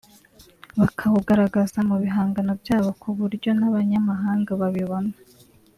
bakawugaragaza mu bihangano byabo kuburyo n’abanyamahanga babibona